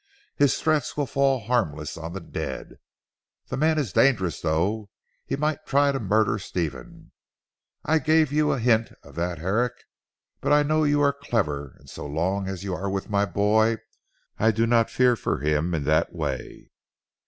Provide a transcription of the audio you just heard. His threats will fall harmless on the dead. The man is dangerous though. He might try to murder Stephen. I gave you a hint of that Herrick. But I know you are clever and so long as you are with my boy I do not fear for him in that way.